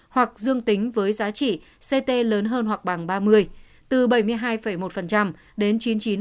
hoặc dương tính với giá trị ct lớn hơn hoặc bằng ba mươi từ bảy mươi hai một đến chín mươi chín năm